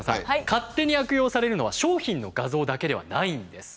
勝手に悪用されるのは商品の画像だけではないんです。